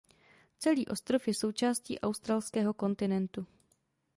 Celý ostrov je součástí australského kontinentu.